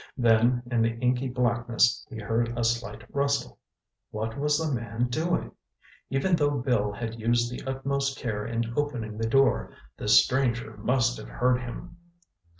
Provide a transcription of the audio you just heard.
Then in the inky blackness he heard a slight rustle. What was the man doing? Even though Bill had used the utmost care in opening the door, this stranger must have heard him.